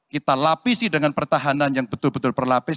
kita lapisi dengan pertahanan yang betul betul berlapis